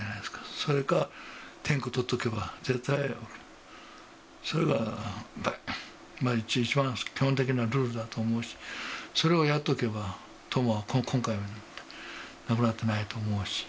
それか点呼取っとけば、絶対に、それが、一番基本的なルールだと思うし、それをやっておけば、冬生は今回、亡くなってないと思うし。